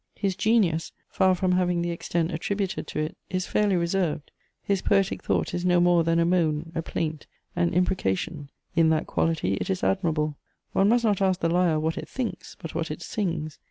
His genius, far from having the extent attributed to it, is fairly reserved; his poetic thought is no more than a moan, a plaint, an imprecation; in that quality it is admirable: one must not ask the lyre what it thinks, but what it sings.